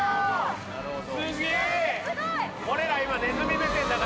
なるほど。